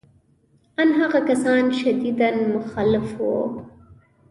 ان هغه کسان شدیداً مخالف وو